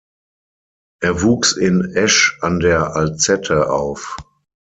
Er wuchs in Esch an der Alzette auf.